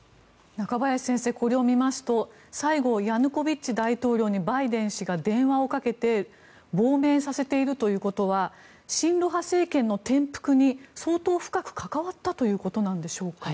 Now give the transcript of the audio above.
中林先生これを見ますと最後、ヤヌコビッチ大統領にバイデン氏が電話をかけて亡命させているということは親ロ派政権の転覆に相当深く関わったということなんでしょうか？